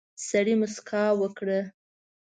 سړي موسکا وکړه.